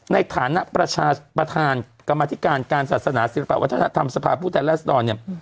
ในฐานะประชาประธานกรรมอธิการการศาสนาศิลปะวัฒนธรรมสภาพภูมิแต่ล่าสดอนเนี่ย